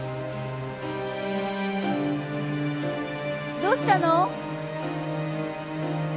どうしたの？